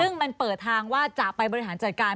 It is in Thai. ซึ่งมันเปิดทางว่าจะไปบริหารจัดการ